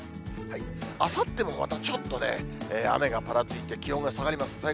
あさってもまたちょっとね、雨がぱらついて、気温が下がります。